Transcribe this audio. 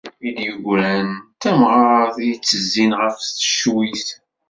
I d-yeggran d tamɣert i ttezzin ɣef teccuyt.